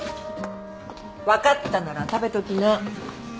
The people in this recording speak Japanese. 分かったなら食べときな。